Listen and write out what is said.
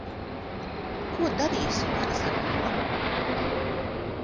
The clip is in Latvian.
Ko darīsim ar zēnu?